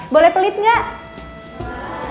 boleh pelit enggak